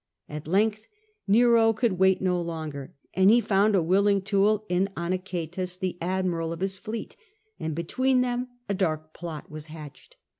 At length Nero could wait no longer, and he found a willing tool in Anicetus, the admiral of his fleet, and between them a dark plot was hatched.